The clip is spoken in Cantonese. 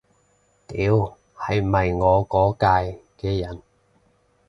屌，係咪我嗰屆嘅人